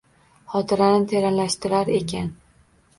Xotirani teranlashtirar ekan